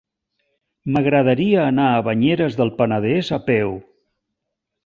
M'agradaria anar a Banyeres del Penedès a peu.